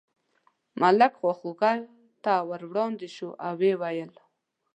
ملک خواخوږۍ ته ور وړاندې شو او یې وویل.